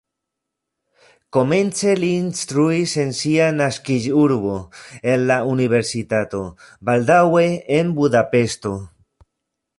Komence li instruis en sia naskiĝurbo en la universitato, baldaŭe en Budapeŝto.